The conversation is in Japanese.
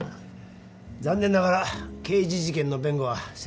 残念ながら刑事事件の弁護は専門外で。